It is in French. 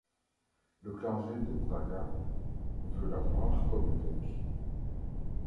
Le clergé de Braga veut l'avoir comme évêque.